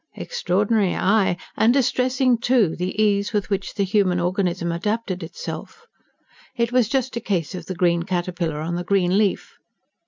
Extraordinary, aye, and distressing, too, the ease with which the human organism adapted itself; it was just a case of the green caterpillar on the green leaf.